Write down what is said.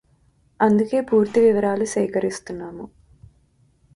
అందుకే పూర్తి వివరాలు సేకరిస్తున్నాము